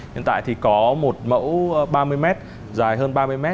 hiện tại thì có một mẫu ba mươi m dài hơn ba mươi m